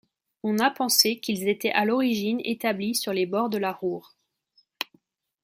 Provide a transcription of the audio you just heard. On a pensé qu'ils étaient à l'origine établis sur les bords de la Ruhr.